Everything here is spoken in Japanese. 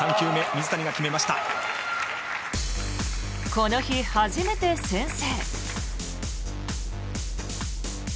この日初めて先制。